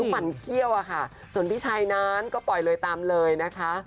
ปั่นเขี้ยวอะค่ะส่วนพี่ชัยนั้นก็ปล่อยเลยตามเลยนะคะ